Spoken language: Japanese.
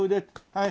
はい。